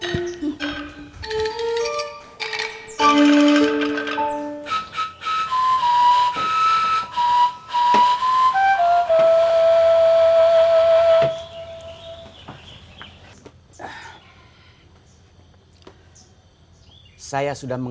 permukaan saya di sarawak